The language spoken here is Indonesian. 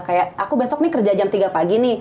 kayak aku besok nih kerja jam tiga pagi nih